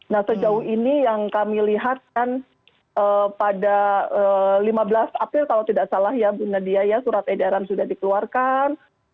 nah sejauh ini yang kami lihat kan pada lima belas april kalau tidak salah ya bu nadia ya surat edaran sudah dikeluarkan